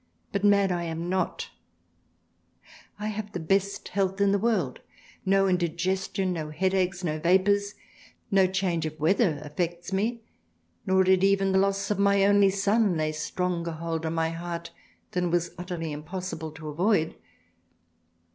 But Mad I am not. THRALIANA 25 " I have the best health In the world, no Indiges tion, no Headaches, no Vapours : no Change of Weather affects me, nor did even the loss of my only Son lay stronger hold on my Heart than it was utterly impossible to avoid.